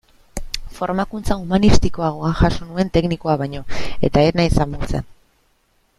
Formakuntza humanistikoagoa jaso nuen teknikoa baino, eta ez naiz damutzen.